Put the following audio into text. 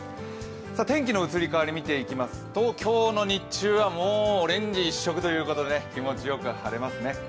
天気の移り変わり見ていきますと今日の日中はオレンジ一色ということで気持ちよく晴れますね。